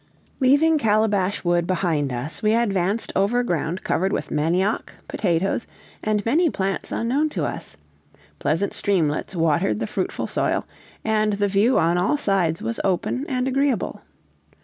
Leaving Calabash Wood behind us, we advanced over ground covered with manioc, potatoes, and many plants unknown to us; pleasant streamlets watered the fruitful soil, and the view on all sides was open and agreeable.